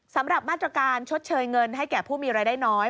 สำหรับมาตรการชดเชยเงินให้แก่ผู้มีรายได้น้อย